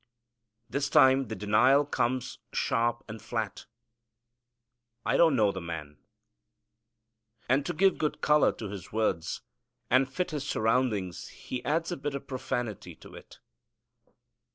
This time the denial comes sharp and fiat, "I don't know the man." And to give good color to his words, and fit his surroundings, he adds a bit of profanity to it.